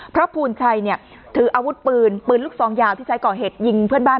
ภูลชัยเนี่ยถืออาวุธปืนปืนลูกซองยาวที่ใช้ก่อเหตุยิงเพื่อนบ้าน